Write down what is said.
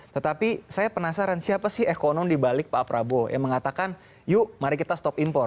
tetapi saya penasaran siapa sih ekonom dibalik pak prabowo yang mengatakan yuk mari kita stop impor